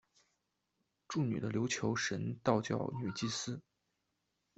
祝女的琉球神道教女祭司。